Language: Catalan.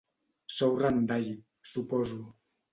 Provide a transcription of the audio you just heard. Sou Randall, suposo.